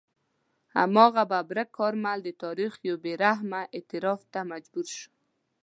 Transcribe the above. هماغه ببرک کارمل د تاریخ یو بې رحمه اعتراف ته مجبور شو.